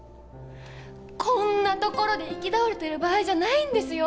こんなところで行き倒れてる場合じゃないんですよ